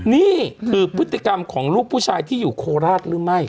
นี่คือพฤติกรรมของลูกผู้ชายที่อยู่โคราชหรือไม่